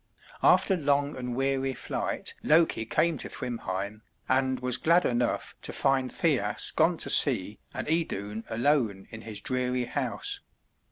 After long and weary flight Loki came to Thrymheim, and was glad enough to find Thjasse gone to sea and Idun alone in his dreary house.